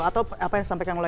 atau apa yang disampaikan oleh